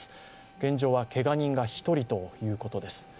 現状はけが人が１人ということです。